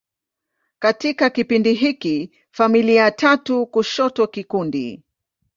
Katika kipindi hiki, familia tatu kushoto kikundi.